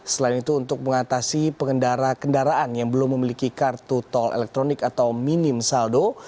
selain itu untuk mengatasi pengendara kendaraan yang belum memiliki kartu tol elektronik atau minim saldo